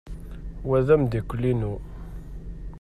Wa d ameddakel-inu.